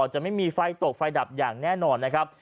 จะไม่มีไฟตกไฟดับอย่างแน่นอนนะครับ